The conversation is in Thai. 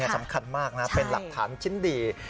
สำคัญมากนะเป็นหลักฐานชิ้นดี